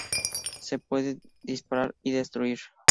Se pueden disparar y destruir.